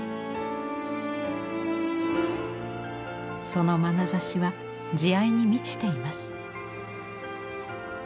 そのまなざしは慈愛に満ちています。